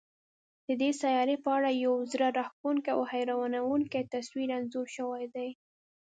د دې سیارې په اړه یو زړه راښکونکی او حیرانوونکی تصویر انځور شوی دی.